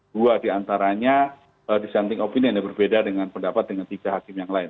dua diantaranya dissenting opinion yang berbeda dengan pendapat dengan tiga hakim yang lain